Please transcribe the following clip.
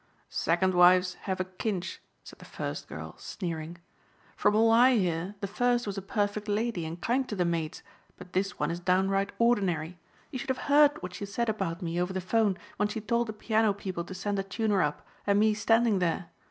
"Second wives have a cinch," said the first girl, sneering. "From all I hear the first was a perfect lady and kind to the maids, but this one is down right ordinary. You should have heard what she said about me over the 'phone when she told the piano people to send a tuner up, and me standing there.